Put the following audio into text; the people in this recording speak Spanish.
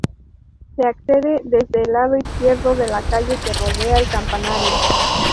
Se accede desde el lado izquierdo de la calle que rodea el campanario.